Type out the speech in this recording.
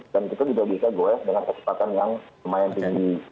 dan kita juga bisa goyek dengan kecepatan yang lumayan tinggi